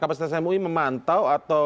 kapasitas mui memantau atau